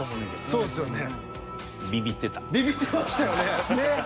そうですね